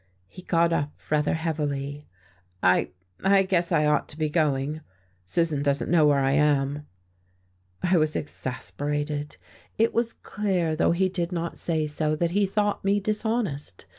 He got up rather heavily. "I I guess I ought to be going. Susan doesn't know where I am." I was exasperated. It was clear, though he did not say so, that he thought me dishonest.